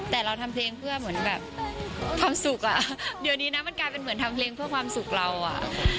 แต่เราทำเพลงเพื่อเหมือนแบบความสุขอ่ะเดี๋ยวนี้นะมันกลายเป็นเหมือนทำเพลงเพื่อความสุขเราอ่ะ